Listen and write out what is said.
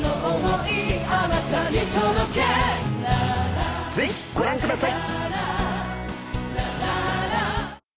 「あなたに届け」ぜひご覧ください。